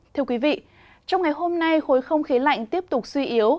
thưa quý vị trong ngày hôm nay khối không khí lạnh tiếp tục suy yếu